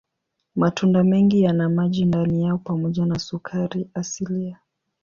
Matunda mengi yana maji ndani yao pamoja na sukari asilia.